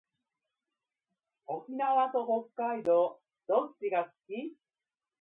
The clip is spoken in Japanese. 沖縄と北海道どっちが好き？